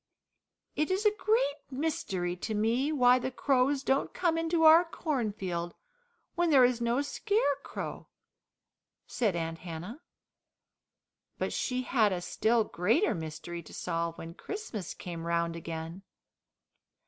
"It is a great mystery to me why the crows don't come into our cornfield, when there is no scarecrow," said Aunt Hannah. But she had a still greater mystery to solve when Christmas came round again.